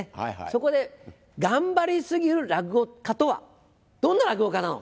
そこで頑張り過ぎる落語家とはどんな落語家なのか。